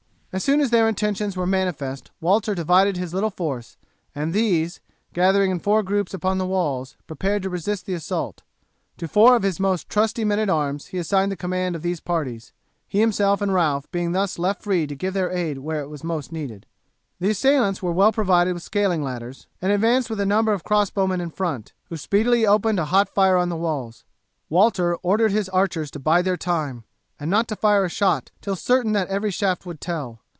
As soon as their intentions were manifest Walter divided his little force, and these, gathering in four groups upon the walls, prepared to resist the assault. To four of his most trusty men at arms he assigned the command of these parties, he himself and Ralph being thus left free to give their aid where it was most needed. The assailants were well provided with scaling ladders, and advanced with a number of crossbow men in front, who speedily opened a hot fire on the walls. Walter ordered his archers to bide their time, and not to fire a shot till certain that every shaft would tell.